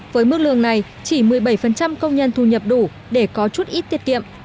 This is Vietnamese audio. với mức lương này chỉ một mươi bảy công nhân thu nhập đủ để có chút ít tiết kiệm